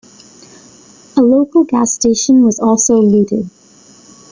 A local gas station was also looted.